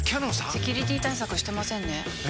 セキュリティ対策してませんねえ！